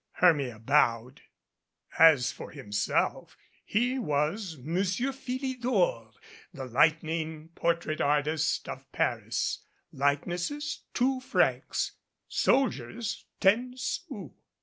Hermia bowed. As for himself, he was Monsieur Philidor, the light ning portrait artist, of Paris. Likenesses, two francs soldiers, ten sous.